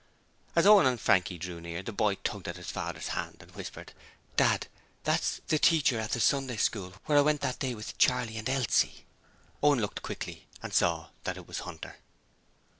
As Owen and Frankie drew near, the boy tugged at his father's hand and whispered: 'Dad! that's the teacher at the Sunday School where I went that day with Charley and Elsie.' Owen looked quickly and saw that it was Hunter.